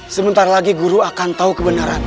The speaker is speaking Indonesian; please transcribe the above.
sebentar lagi guru akan tahu kebenaran